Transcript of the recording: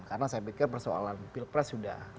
karena saya pikir persoalan pilpres sudah